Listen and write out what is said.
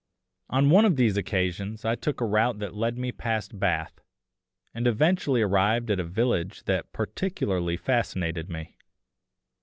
On one of these occasions I took a route that led me past Bath, and eventually arrived at a village that particularly fascinated me.